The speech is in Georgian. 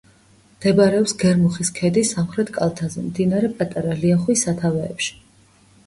მდებარეობს გერმუხის ქედის სამხრეთ კალთაზე, მდინარე პატარა ლიახვის სათავეებში.